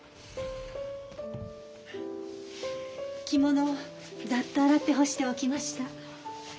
着物ざっと洗って干しておきました。